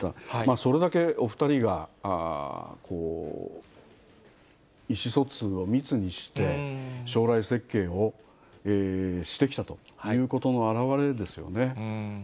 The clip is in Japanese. それだけお２人が意思疎通を密にして、将来設計をしてきたということの表れですよね。